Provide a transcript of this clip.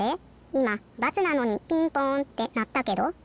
いま×なのにピンポンってなったけど？